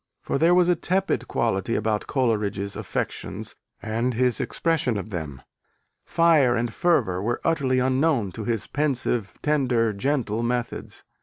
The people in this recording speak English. For there was a tepid quality about Coleridge's affections and his expression of them: fire and fervour were utterly unknown to his pensive, tender, gentle methods.